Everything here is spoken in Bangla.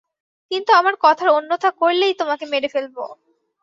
কিন্তু আমার কথার অন্যথা করলেই তোমাকে মেরে ফেলব।